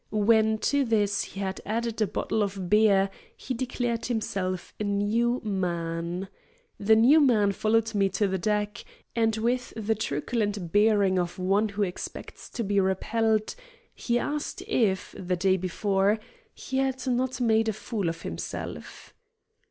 When to this he had added a bottle of beer, he declared himself a new man. The new man followed me to the deck, and with the truculent bearing of one who expects to be repelled, he asked if, the day before, he had not made a fool of himself.